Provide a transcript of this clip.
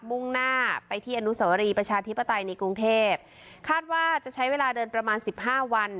มุ่งหน้าไปที่อนุสวรีประชาธิปไตยในกรุงเทพคาดว่าจะใช้เวลาเดินประมาณสิบห้าวัน